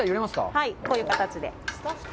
はい、こういう形で。